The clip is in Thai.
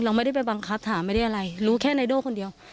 เราไม่ได้ไปบังคับถามไม่ได้อะไรรู้แค่ไนโด่คนเดียว